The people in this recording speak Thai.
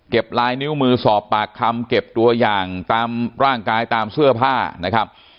ลายนิ้วมือสอบปากคำเก็บตัวอย่างตามร่างกายตามเสื้อผ้านะครับ